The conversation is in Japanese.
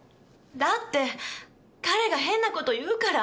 だって彼が変なこと言うから！